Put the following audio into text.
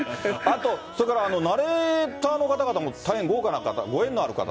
あと、それからナレーターの方々も大変豪華な方、ご縁のある方。